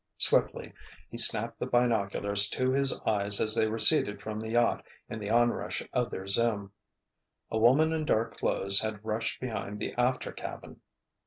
Swiftly he snapped the binoculars to his eyes as they receded from the yacht in the onrush of their zoom. A woman in dark clothes had rushed behind the after cabin.